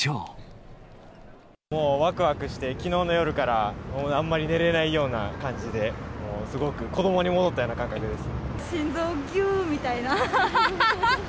もうわくわくして、きのうの夜からあんまり寝れないような感じで、もうすごく、心臓、ぎゅーっみたいな。